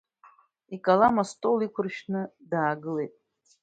Икалам астол иқәыршәны даагылеит.